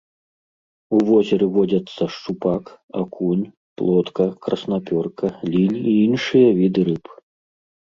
У возеры водзяцца шчупак, акунь, плотка, краснапёрка, лінь і іншыя віды рыб.